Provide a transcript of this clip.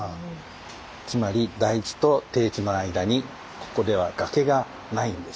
つまり台地と低地の間にここでは崖がないんです。